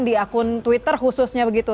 di akun twitter khususnya begitu